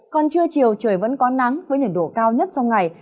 còn trưa chiều trời vẫn có nắng với nhiệt độ cao nhất trong ngày